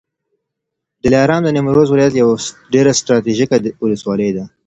دلارام د نیمروز ولایت یوه ډېره ستراتیژیکه ولسوالي ده